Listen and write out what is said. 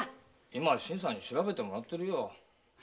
今新さんに調べてもらってるよ。